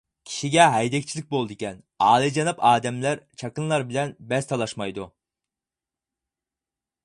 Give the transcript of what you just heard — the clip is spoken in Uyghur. كىشىگە ھەيدەكچىلىك بولىدىكەن. ئالىيجاناب ئادەملەر چاكىنىلار بىلەن بەس تالاشمايدۇ.